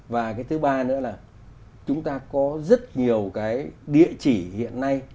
và cái thứ ba nữa là chúng ta có rất nhiều cái địa chỉ hiện nay